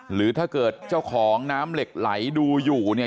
หรือถ้าเกิดเจ้าของน้ำเหล็กไหลดูอยู่เนี่ย